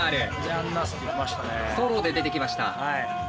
ソロで出てきました。